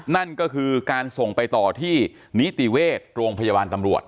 นั่นก็คือการส่งไปต่อที่นิติเวชโรงพยาบาลตำรวจ